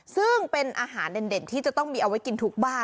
ซึ่งเป็นอาหารเด่นที่จะต้องมีเอาไว้กินทุกบ้าน